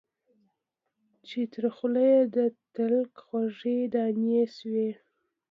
چي تر خوله یې د تلک خوږې دانې سوې